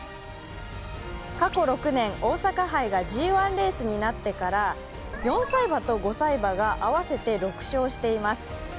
過去６年、大阪杯がＧⅠレースになってから４歳馬と５歳馬が合わせて６勝しています。